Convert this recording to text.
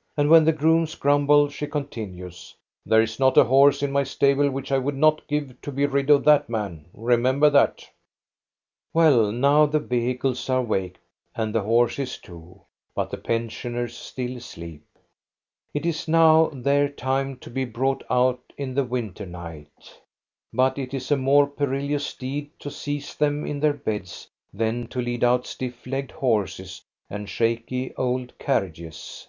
" And when the grooms grumble, she continues: " There is not a horse in my stable which I would not give to be rid of that man, remember that !" Well, now the vehicles are waked and the horses too, but the pensioners still sleep. It is now their time to be brought out in the winter night ; but it is a more perilous deed to seize them in their beds than to lead out stiff legged horses and shaky old carriages.